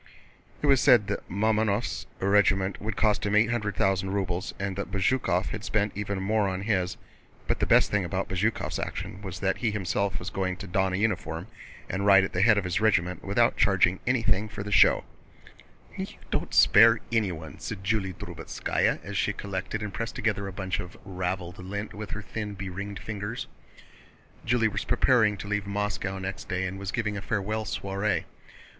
It was said that Mamónov's regiment would cost him eight hundred thousand rubles, and that Bezúkhov had spent even more on his, but that the best thing about Bezúkhov's action was that he himself was going to don a uniform and ride at the head of his regiment without charging anything for the show. * "Think it over; get into the barque, and take care not to make it a barque of Charon." "You don't spare anyone," said Julie Drubetskáya as she collected and pressed together a bunch of raveled lint with her thin, beringed fingers. Julie was preparing to leave Moscow next day and was giving a farewell soiree.